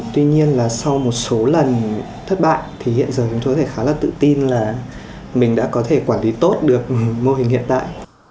tuy nhiên là sau một số lần thất bại thì hiện giờ chúng tôi có thể khá là tự tin là mình đã có thể quản lý tốt được mô hình hiện tại